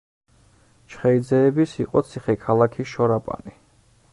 ჩხეიძეების იყო ციხე ქალაქი შორაპანი.